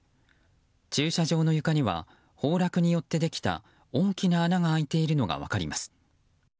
駐車場の床には崩落によってできた大きな穴が開いているのが分かります。